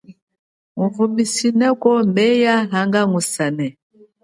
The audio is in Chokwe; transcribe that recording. Nguvumineko meya hanga ngusane.